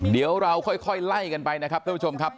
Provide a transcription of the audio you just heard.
เดี๋ยวเราค่อยไล่กันไปนะครับท่านผู้ชมครับ